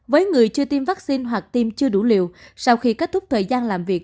với người chưa tiêm vắc xin hoặc tiêm chưa đủ liều sau khi kết thúc thời gian làm việc